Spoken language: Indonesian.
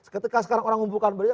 ketika sekarang orang ngumpulkan beliau